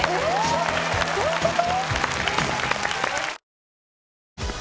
どういうこと？